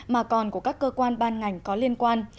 mà còn của các cơ quan ban ngành có liên quan